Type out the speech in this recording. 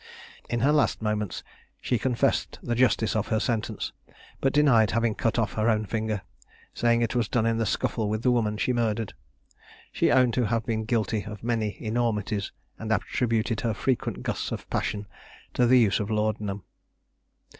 In her last moments she confessed the justice of her sentence, but denied having cut off her own finger, saying it was done in the scuffle with the woman she murdered. She owned to have been guilty of many enormities, and attributed her frequent gusts of passion to the use of laudanum.